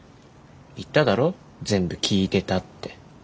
言っただろ全部聞いてたって。